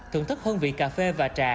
thưởng thức hương vị cà phê và trà